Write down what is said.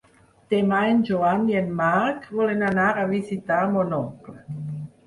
Demà en Joan i en Marc volen anar a visitar mon oncle.